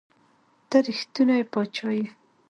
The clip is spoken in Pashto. ته رښتونے باچا ئې